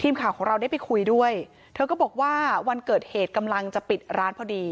ทีมข่าวของเราได้ไปคุยด้วยเธอก็บอกว่าวันเกิดเหตุกำลังจะปิดร้านพอดี